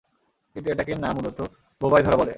কিন্তু এটাকেই না মূলত বোবায় ধরা বলে?